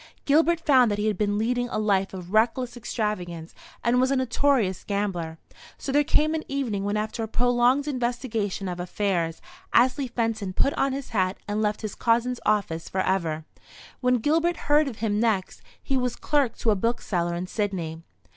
Gilbert found that he had been leading a life of reckless extravagance, and was a notorious gambler. So there came an evening when after a prolonged investigation of affairs, Astley Fenton put on his hat, and left his cousin's office for ever. When Gilbert heard of him next, he was clerk to a bookseller in Sydney.